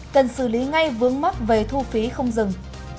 cần xử lý ngay vướng mắt về thu phí không dừng